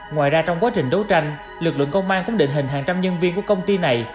ngoài ra trong quá trình đấu tranh lực lượng công an cũng định hình hàng trăm nhân viên của công ty này